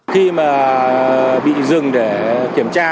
khi mà bị dừng để kiểm tra